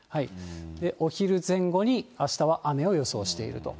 お昼前後にあしたは雨を予想していると。